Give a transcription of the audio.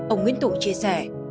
ông nguyễn tụ chia sẻ